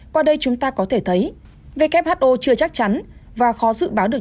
qua đây chúng ta có thể thấy who chưa chắc chắn và khó dự báo được